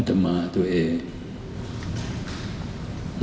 นัตตมาตัวเอง